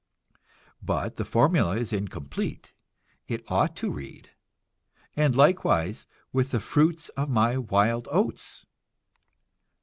But the formula is incomplete; it ought to read: "And likewise with the fruits of my wild oats."